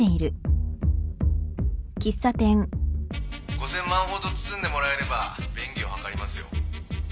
５，０００ 万ほど包んでもらえれば便宜を図りますよ